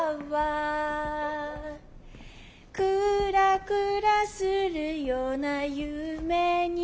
「くらくらするような夢に」